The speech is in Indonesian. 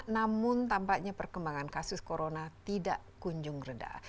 namun tampaknya perkembangan kasus corona tidak kunjung reda